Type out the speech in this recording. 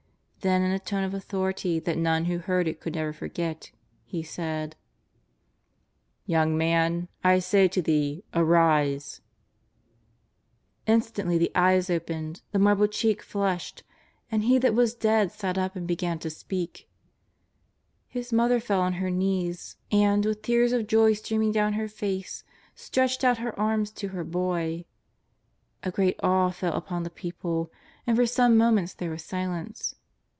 Then in a tone of authority that none who heard it could ever forget, He said :" Young man, I say to thee, arise !'' Instantly the eyes opened, the marble cheek flushed, and he that was dead sat up and began to speak. His mother fell on her knees, and, with tears of joy stream ing down her face, stretched out her arms to her boy. A great awe fell upon the people, and for some momenta there was silence.